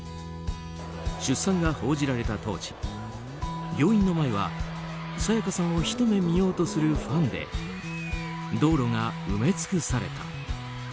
出産が報じられた当時病院の前は沙也加さんをひと目見ようとするファンで道路が埋め尽くされた。